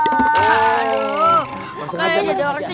masuk aja pak